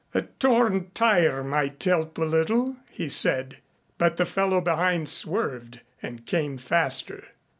"A torn tire might help a little," he said. But the fellow behind swerved and came faster.